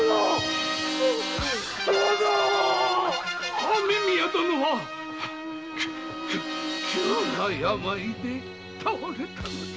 雨宮殿は急な病で倒れたのじゃ。